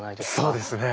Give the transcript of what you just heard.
そうですね。